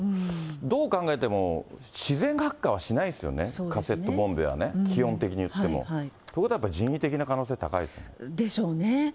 どう考えても自然発火はしないですよね、カセットボンベはね、気温的にいっても。ということはやっぱり人為的な可能性高いですね。でしょうね。